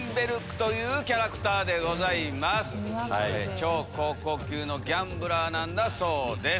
超高校級のギャンブラーなんだそうです。